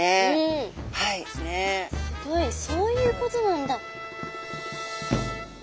すごいそういうことなんだ。